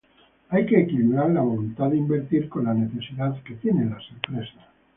Hay que equilibrar la voluntad de invertir con la necesidad que tienen las empresas.